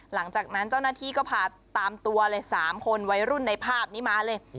หลังจากนั้นเจ้าหน้าที่ก็พาตามตัวเลย๓คนวัยรุ่นในภาพนี้มาเลย